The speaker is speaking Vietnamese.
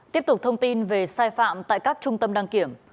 tiếp tục thông tin về sai phạm tại các trung tâm đăng kiểm